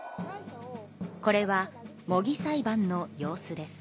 これは模擬裁判の様子です。